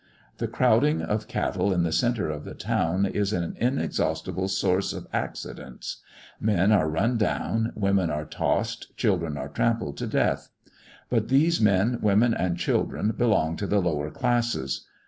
The crowding of cattle in the centre of the town is an inexhaustible source of accidents. Men are run down, women are tossed, children are trampled to death. But these men, women, and children, belong to the lower classes.